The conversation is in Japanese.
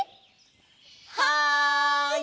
はい！